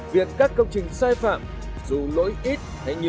việc các công trình sai phạm dù lỗi ít